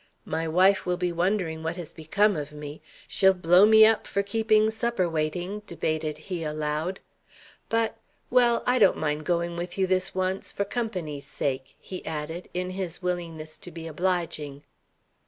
"My wife will be wondering what has become of me; she'll blow me up for keeping supper waiting," debated he, aloud. "But well, I don't mind going with you this once, for company's sake," he added in his willingness to be obliging.